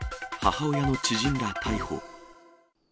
母親の知人ら逮捕。